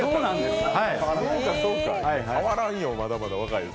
変わらんよ、まだまだ若いです。